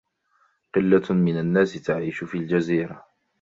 قلة من الناس تعيش في الجزيرة.